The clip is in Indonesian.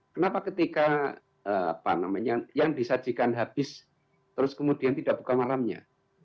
kenapa ketika apa namanya yang disajikan habis terus kemudian tidak buka malamnya